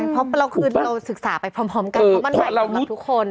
เพราะเราคือเราศึกษาไปพร้อมกันเพราะมันหมายรวมกับทุกคน